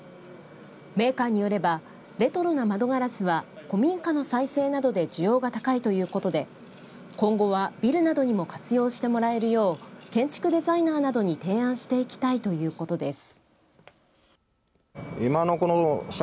メーカーによればレトロな窓ガラスは古民家の再生などで需要が高いということで今後はビルなどにも活用してもらえるよう建築デザイナーなどに提案していきたいということです。